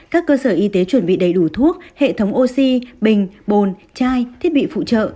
các cơ sở y tế chuẩn bị đầy đủ thuốc hệ thống oxy bình bồn trai thiết bị phụ trợ